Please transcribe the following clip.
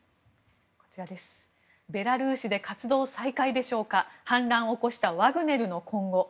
ベラルーシで活動再開でしょうか反乱起こしたワグネルの今後は。